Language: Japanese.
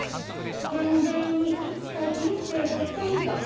懸命に生きた人生の最期。